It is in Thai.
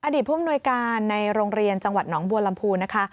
อดีตภูมิหน่วยการในโรงเรียนจังหวัดน้องบัวลำพูนะคะ